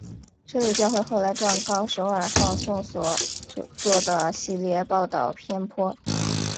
摄理教会后来状告首尔放送所做的系列报导偏颇。